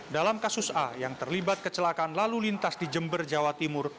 dalam kasus a yang terlibat kecelakaan lalu lintas di jember jawa timur